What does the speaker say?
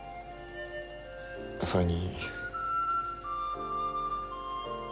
それに。